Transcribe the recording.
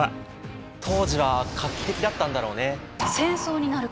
当時は画期的だったんだろうね。